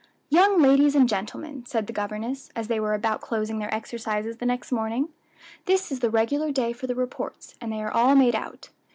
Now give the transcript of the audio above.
"Young ladies and gentlemen," said the governess, as they were about closing their exercises the next morning, "this is the regular day for the reports, and they are all made out.